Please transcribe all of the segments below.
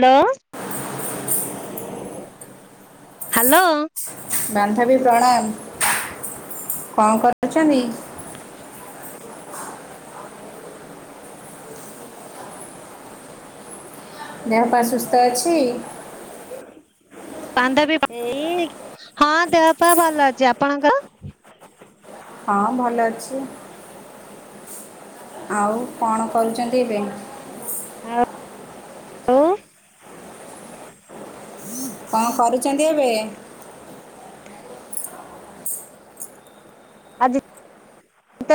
Hello. Hello. ବାନ୍ଧବୀ ପ୍ରଣାମ କଣ କରୁଛନ୍ତି? ଦେହ ପା ସୁସ୍ଥ ଅଛି? ବାନ୍ଧବୀ ହଁ ଦେହପା ଭଲ ଅଛି ଆପଣଙ୍କର? ହଁ ଭଲ ଅଛି। ଆଉ କଣ କରୁଛନ୍ତି ଏବେ? ହ ହ [unintelligible] କଣ କରୁଛନ୍ତି ଏବେ? ଆଜି ତ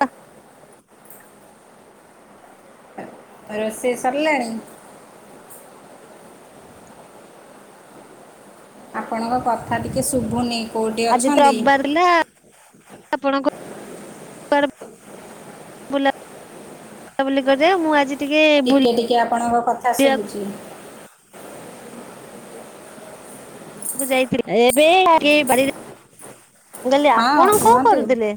[unintelligible] ରୋଷେଇ ସରିଲାଣି? ଆପଣଙ୍କ କଥା ଟିକେ ଶୁଭୁନି କେଉଁଠି ଆଜି ତ ଅଛନ୍ତି ରବିବାର ଆପଣଙ୍କ ବୁଲା ବୁଲାବୁଲି କରିବେ ମୁଁ ଆଜି ଟିକେ ଟିକେ ଆପଣଙ୍କ କଥା ଶୁବୁଛି ଯାଇକିରି ଏବେ ବରି [unintelligible] ମୁଁ କହିଲି ହଁ ଆପଣ କଣ କୁହନ୍ତୁ କରୁଥିଲେ?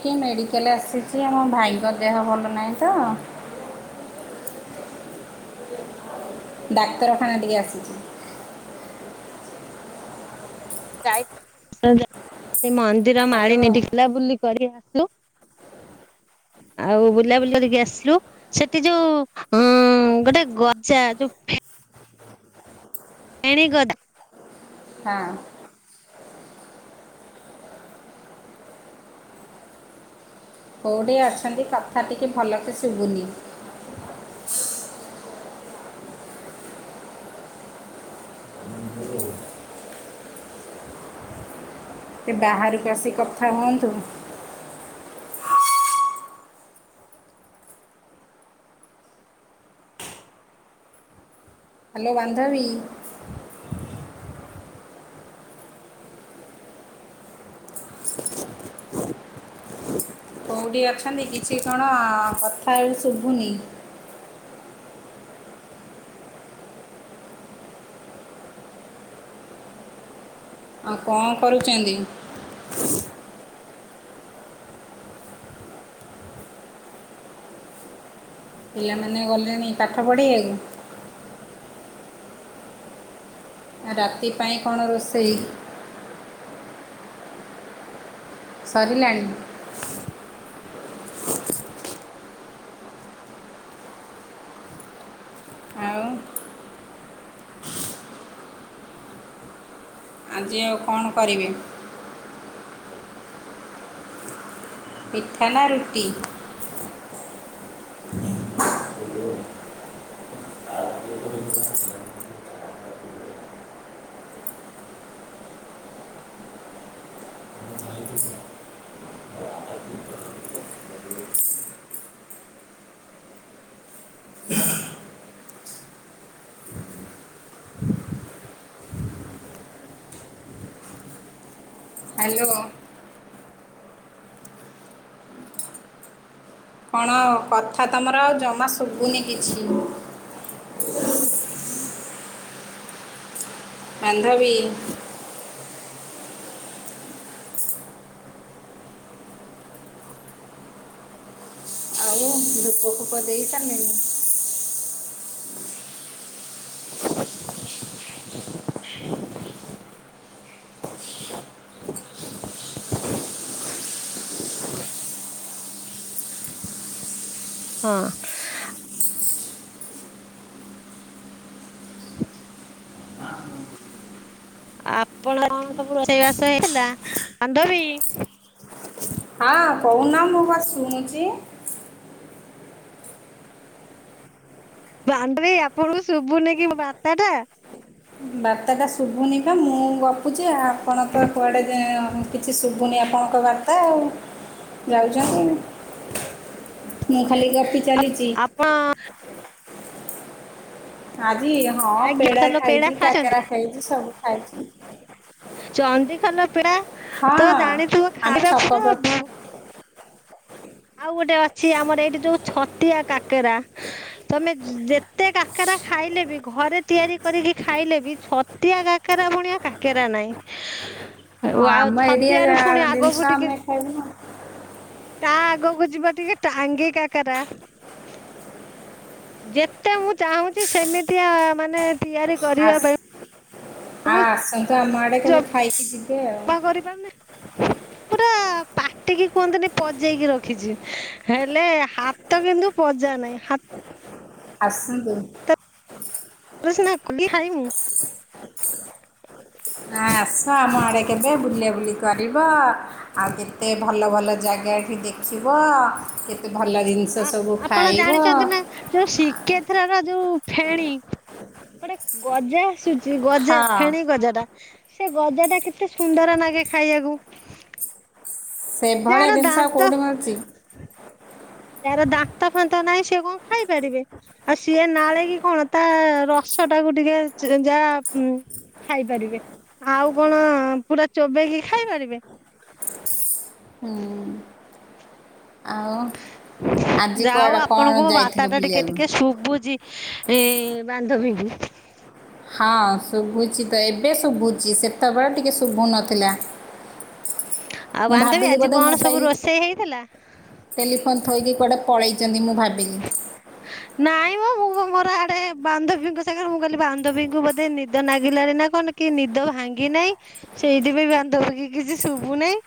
ଟିକିଏ ମେଡ଼ିକାଲ ଆସିଛି ଆମ ଭାଇଙ୍କ ଦେହ ଭଲ ନାହିଁ ତ ଡାକ୍ତରଖାନା ଟିକେ ଆସିଛି। ଯାଇଥିଲି ସେ ମନ୍ଦିର ହ୍ୟାଲୋ ମାଳିନୀ ଟିକେ ବୁଲା ବୁଲି କରି ଆସିଲୁ ଆଉ ବୁଲାବୁଲି କରିକି ଆସିଲୁ ସେଠି ଯୋଉ ଉ ହଁ ଗୋଟେ ଗଜା ଯୋଉ ଫେଣି ଗଦା ହଁ। କୋଉଠି ଅଛନ୍ତି କଥା ଟିକେ ଭଲକେ ଶୁଭୁନି। ସେ ବାହାରକୁ ଆସି କଥା ହୁଅନ୍ତୁ? ହ୍ୟାଲୋ ବନ୍ଧବୀ। କୋଉଠି ଅଛନ୍ତି କିଛି କଣ କଥା ଏ ଶୁଭୁନି। ଆଉ କଣ କରୁଚନ୍ତି? ପିଲାମାନେ ଗଲେଣି ପାଠ ପଢ଼ି ଆକୁ? ରାତି ପାଇଁ କଣ ରୋଷେଇ? ସରିଲାଣି? ଆଉ ଆଜି ଆଉ କଣ କରିବେ? ପିଠା ନା ରୁଟି? ହ୍ୟାଲୋ। କଣ କଥା ତମର ଆଉ ଜମା ଶୁଭୁନି କିଛି। ବାନ୍ଧବୀ। ଧୁପ ଫୁପ ଦେଇସାରିଲେଣି? ହଁ। ଆପଣ ସବୁ ରୋଷେଇ ବାସ ହେଇଥିଲା ବାନ୍ଧବୀ? ହଁ କହୁନା ମୁଁ ବା ଶୁଣୁଛି? ବାନ୍ଧବୀ ଆପଣଙ୍କୁ ଶୁଭୁନି କି ବାତା ଟା? ବାର୍ତ୍ଟା ଶୁଭୁନି କ ମୁଁ ଗପୁଛି ଆପଣ ତ କୁଆଡ଼େ କିଛି ଶୁଭୁନି ଆ କଣଙ୍କ ବାର୍ତ୍ତା ଆଉ ଯାଉଛନ୍ତି ମୁଁ ଖାଲି ଗପି ଚାଲିଚି। ଆପଣ ଆଜି ହଁ ଆଜ୍ଞା ପେଡା ଖାଲ ଖାଇଛି, ଖାଇଛନ୍ତି କାକେରା ଖାଇଛି, ସବୁ ଖାଇଛି। ଚନ୍ଦିଖାଲ ପେଡା ତ ହଁ ଜାଣିଥିବ ଆମ ଖାଇବା ଛକ ପୁ [inaudible] ପାଖ ଆଉ ଗୋଟେ ଅଛି ଆମର ଏଇଠି ଯୋଉ ଛତିଆ କାକରା ତମେ ଯେତେ କାକରା ଖାଇଲେ ବି ଘରେ ତିଆରି କରିକି ଖାଇଲେ ବି ଛତିଆ କାକେରା ଭୁଣିଆ କାକେରା ନାଇଁ। ହଁ ଆମ [inaudible] ଏରିଆ ଛତିଆରୁ ପୁଣି ଯା- ଜିନିଷ ଆଗକୁ ଟିକେ ଆମେ ଖାଇବୁ ନା ତା ଆଗକୁ ଯିବା ଟିକେ ଟାଙ୍ଗି କାକରା। ଯେତେ ମୁଁ ଚାହୁଁଛି ସେମିତିଆ ମାନେ ତିଆରି କରିବା ପାଇଁ ମୁଁ ତା ଆମ ଆଡ଼େ କେବେ ଖାଇକି। ଆଉ [inaudible] କରିପାରୁନି ପୁରା ପା ଟିକି କୁହନ୍ତିନି ପଜେଇକି ରଖିଛି ହେଲେ ହାତ କିନ୍ତୁ ପଜା ନାହିଁ। ହା ଆସନ୍ତୁ। ନା କଲି ଖାଇ ମୁଁ [inaudible] ନା ଆସ ଆମ ଆଡେ କେବେ ବୁଲାବୁଲି କରିବ ଆଉ କେତେ ଭଲ ଭଲ ଜାଗା ଠି ଦେଖିବ। କେତେ ଭଲ ଜିନିଷ ଆ ସବୁ ଆପଣ ଖାଇବ ଜାଣିଛନ୍ତି ନା ଯୋଉ ଶିକେ ଏଥର ଯୋଉ ଫେଣି ଗୋଟେ ଗଜା ଆସୁଛି ଗଜା ହଁ ଫେଣି ଗଜା ଟା। ସେ ଗଜା ଟା କେତେ ସୁନ୍ଦର ଲାଗେ ଖାଇବାକୁ। ସେଭଳିଆ ଯାହାର ଜିନିଷ ଦାନ୍ତ କୋଉଠି ମିଳୁଛି। ଯାହାର ଦାନ୍ତ ଫାନ୍ତ ନାହିଁ ସି କଣ ଖାଇ ପାରିବେ ଆଉ ସିଏ ନାଳ କି କଣ ତା ର ଛୁଆଟାକୁ ଟିକେ ଯାହା ଉଁ। ଖାଇପାରିବେ ଆଉ କଣ ପୁରା ଚୋବେକି ଖାଇ ପାରିବେ। ହୁଁ। ଆଉ ଆଜି ଯାହା ହଉ କୁଆଡ଼େ କ'ଣ ଆପଣଙ୍କୁ ମୋ ଯାଇଥିଲ ବାର୍ତ୍ତାଟା ଟିକେ ବୁଲିବାକୁ ଟିକେ ଶୁଭୁଚି। ଏ ବାନ୍ଧବୀଙ୍କୁ। ହଁ ଶୁଭୁଚି ତ ଏବେ ଶୁଭୁଚି ସେତେବେଳେ ଟିକେ ଶୁଭୁ ନଥିଲା। ଆଉ ମୁଁ ବାନ୍ଧବୀ ଭାବିଲି ଆଜି ବୋଧେ କଣ ସବୁ ମୋବାଇଲ ରୋଷେଇ ହେଇଥିଲା? ଟେଲିଫୋନ ଥୋଇକି କୁଆଡେ ପଳେଇ ଚନ୍ତି ମୁଁ ଭାବିଲି। ନାଇଁ ମ ମୁଁ ମୋର ଆଡେ ବାନ୍ଧବୀଙ୍କ ସାଙ୍ଗରେ। ମୁଁ କହିଲି ବାନ୍ଧବୀଙ୍କୁ ବୋଧେ ନିଦ ଲାଗିଲାଣି ନା କଣ କି ନିଦ ଭାଙ୍ଗି ନାହିଁ। ସେଇଥିପାଇଁ ବାନ୍ଧବୀକି କିଛି ଶୁଭୁ ନାଇଁ।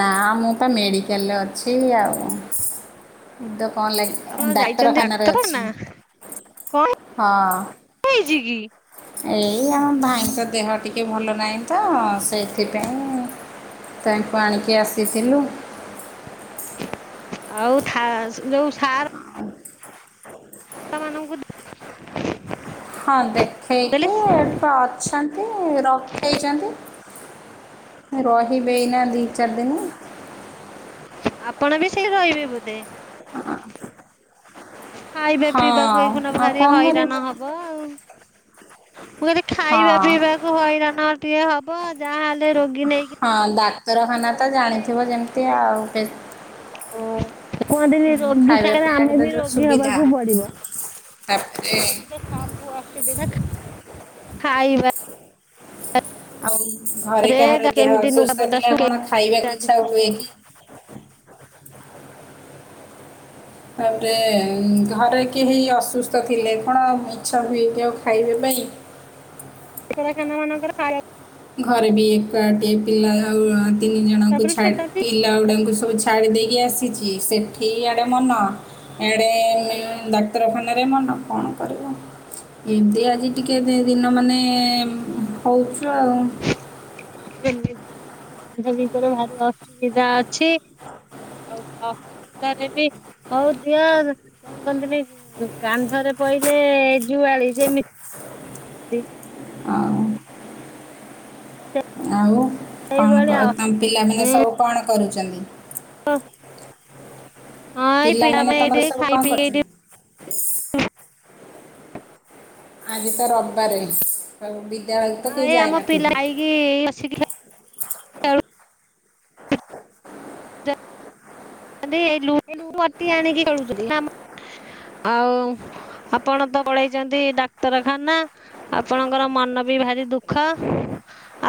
ନା। ମୁଁ ତ ମେଡିକାଲରେ ଅଛି ଆଉ, ଡ କଣ ଆପଣ ଲାଗି ଯାଇଛନ୍ତି ଡାକ୍ତରଖାନାରେ ଡାକ୍ତର ନା ଅଛି। ହଁ କଣ ହେଇଚିକି? ଏଇ ଆମ ଭାଇଙ୍କ ଦେହ ଟିକଏ ଭଲ ନାହିଁ ତ। ସେଇଥିପାଇଁ ତାଙ୍କୁ ଆଣିକି ଆସିଥିଲୁ। ଆଉ ଥାଅ। ଯୋଉ ସାର ମାନଙ୍କୁ ଦେ ହଁ ଦେଖେଇକି ଏଠି ତ ଅଛନ୍ତି। ରଖେଇଚନ୍ତି। ରହିବେ ଏଇନା ଦି ଚାରିଦିନି। ଆପଣ ବି ସେଇ ରହିବେ ବୋଧେ? ଖାଇବା ହଁ ପିଇବାକୁ ଏଇଖିନା ଆଉ ଭାରି କଣ ହଇରାଣ କରିବୁ ହବ ଆଉ। ମୁଁ କହିଲି ଖାଇବା ହଁ ପିଇବାକୁ ହଇରାଣ ଟିକେ ହବ, ଯାହାହେଲେ ରୋଗୀ ନେଇକି ହଁ ଡାକ୍ତରଖାନା ତ ଗଲେ ମାନେ ଜାଣିଥିବ ଯେମିତି ଆଉ। ପେ କୁହନ୍ତିନି ରୋଗୀ ସାଙ୍ଗରେ ଆମେ ତ ବି ଯେଉଁ ରୋଗୀ ସୁବିଧା ହବାକୁ ପଡିବ। ତାପରେ ସେଠି ତ ସବୁ ଅସୁବିଧା, ଖା ଖାଇବା ଆଉ ଘରେ କାହାର ଦେହ କେମିତି ଅସୁସ୍ଥ ଲୁଗାପଟା ଥିଲେ ଶୁଖେଇ କଣ ଖାଇବାକୁ ଇଛା ହୁଏ କି? ତାପରେ ଘରେ କେହି ଅସୁସ୍ଥ ଥିଲେ କଣ ଇଛା ହୁଏକି ଆଉ ଖାଇବା ପା ଇଁ। ଡାକ୍ତରଖାନା ମାନଙ୍କର ଖାଇବା ଘରେ ବି କ କିଏ ପିଲା ଆଉ ତିନି ଜଣଙ୍କୁ ତାପରେ ଛାଡି ସେଟା ବି ପିଲା ଗୁଡାଙ୍କୁ ସବୁ ଛାଡି ଦେଇକି ଆସିଚି। ସେଠି ଆଡେ ମନ। ଆଡେ ମେ ଡାକ୍ତରଖାନା ଏ ମନ କଣ କରିବ? ଏମତି ଆଜି ଟିକେ ଦି-ଦିନ ମାନେ [unintelligible] ଏମିତି ଭାରି ବାନ୍ଧବୀଙ୍କର ଭାରି ଅସୁବିଧା ଅଛି। ଆଉ ସେ ଅ ସୁବିଧାରେ ବି ହଉ ଦିଅ କଣ କରିବି କାନ୍ଧରେ ପଇଲେ ଏ ଯୁଆଳି ଯେମି ତି ଆଉ? ଆଉ? କଣ କ ସେଇଭଳିଆ ତମ ପିଲାମାନେ ସବୁ କଣ କରୁଚନ୍ତି? ତ ପିଲାମାନେ ତମର ସବୁ ଖାଇ କଣ ପିଇକି ଏଇଠି କରୁଛନ୍ତି? ଆଜି ତ ରବିବାରେ ଆଉ ବି ବିଦ୍ୟାଳୟକୁ ତ ହଁ କେହି ଏଇ ଆମ ଯାଇ ପିଲା ନଥିବେ। ଖାଇକି ଏଇ ବସିକି ଆଜି ଲୁଡୁଗୋଟି ଆଣିକି ଖେଳୁଛନ୍ତି, ଆମ ଆଉ ଆପଣ ତ ପଳେଇଛନ୍ତି ଡାକ୍ତରଖାନା। ଆପଣଙ୍କର ମନ ବି ଭାରି ଦୁଃଖ।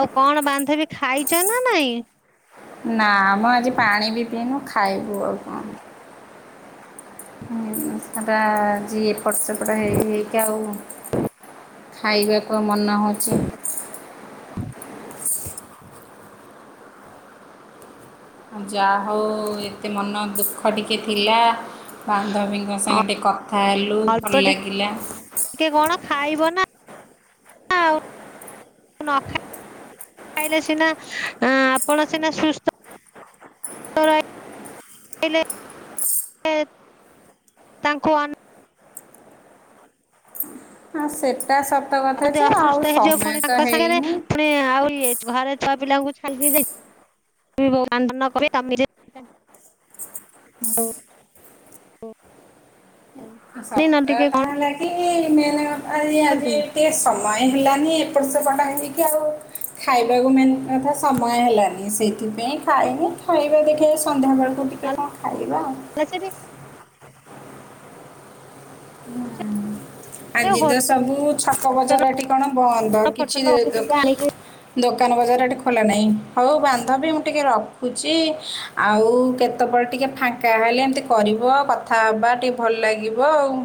ଆଉ କଣ ବାନ୍ଧବୀ ଖାଇଚ ନା ନାଇଁ? ନା ମ ଆଜି ପାଣି ବି ପିଇନୁ। ଖାଇବୁ ଆଉ କଣ? ହୁଁ ସେଟା ଆଜି ଏପଟ ସେପଟ ହେଇ ହେଇକା ଆଉ। ଖାଇବାକୁ ଆଉ ମନ ହେଉଛି? ଯା ହଉ। ଏତେ ମନ ଦୁଃଖ ଟିକେ ଥିଲା। ବାନ୍ଧବୀଙ୍କ ସାଙ୍ଗେ ଟିକେ କ ଅଳ୍ପ ଟିକେ କଣ ଖାଇବ ନା ଆଉ। ନ ଖା ଇଲେ ସିନା ଆପଣ ସିନା ସୁସ୍ଥ ରହିଲେ ତାଙ୍କୁ ଅନେଇବ। ହଁ ସେତ୍ ଆ ବୋଧେ ଅସୁସ୍ଥ ହେଇଯିବ ପୁଣି ତାଙ୍କ ସାଙ୍ଗରେ ହେଇନି। ପୁଣି ଆଉ ଇଏ ଘରେ ଛୁଆ ପିଲାଙ୍କୁ ଛାଇକି। କ କ ନିଜେ [unintelligible] ହୁଁ ସପ୍ତ ତା ଲାଗି ମେ ଆଜି କେ ସମୟ ହେଲାନି ଏପଟ୍ ସେପଟ୍ ହେଇକି ଆଉ ଖାଇବାକୁ ମେନ୍ କଥା ସମୟ ହେଲାନି ସେଇଥିପାଇଁ ଖାଇନି ଖାଇବା ଦେଖିବା ସନ୍ଧ୍ୟା ବେଳକୁ ଟିକେ ନହେଲେ କଣ ଖାଇବା ଆଉ ସେଠି ହୁଁ ଆଜି ତ ହୋଟେଲ ସବୁ ଛକ ବଜାର ଏଠି କଣ ବନ୍ଦ କିଛି ଫୋଟେଲ ଅଛି ଦୋକା ଟିକେ ଆଣିକି ଦୋକାନ ବଜାର ଏଟି ଖୋଲା ନାହିଁ ହଉ ବାନ୍ଧବୀ ମୁଁ ଟିକେ ରଖୁଛି ଆଉ କେତେବେଳେ ଟିକେ ଟିକେ ଫାଙ୍କା ହେଲେ ଏମିତି କରିବ କଥା ହେବା ଟିକେ ଭଲ ଲାଗିବ ଆଉ